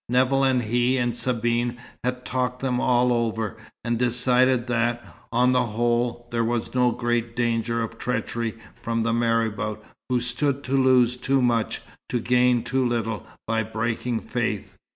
Nevill and he and Sabine had talked them all over, and decided that, on the whole, there was no great danger of treachery from the marabout, who stood to lose too much, to gain too little, by breaking faith.